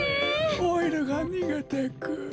オイルがにげてく。